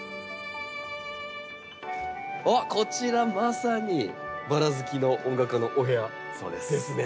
おっこちらまさにバラ好きの音楽家のお部屋ですね。